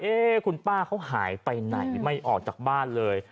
คุณป้าเขาหายไปไหนไม่ออกจากบ้านเลย